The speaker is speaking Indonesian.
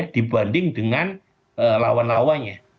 dibanding dengan lawan lawannya